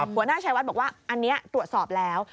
หัวหน้าชัยวัดบอกว่าอันนี้ตรวจสอบแล้ว